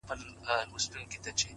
ه زه تر دې کلامه پوري پاته نه سوم-